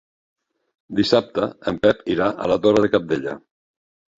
Dissabte en Pep irà a la Torre de Cabdella.